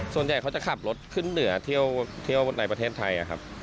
ส่วนใหญ่เขาจะขับรถขึ้นเหนือเที่ยวในประเทศไทยครับ